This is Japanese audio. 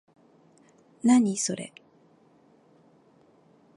何、それ？